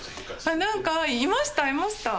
あなんかいましたいました。